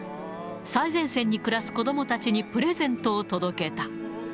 最前線に暮らす子どもたちにプレゼントを届けた。